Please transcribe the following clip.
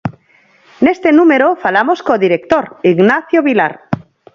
Neste número falamos co director, Ignacio Vilar.